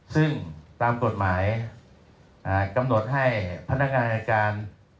ซึ่งตามกฎหมายกำหนดให้พนักงานอายการ